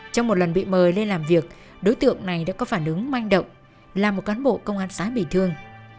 trong một lần bị mời lên làm việc đối tượng này đã có phản ứng manh động làm một cán bộ công an xã bị thương